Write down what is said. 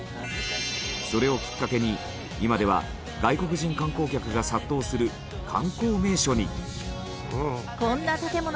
それをきっかけに今では外国人観光客が殺到する観光名所に。